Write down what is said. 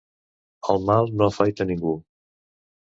El mal no afaita a ningú.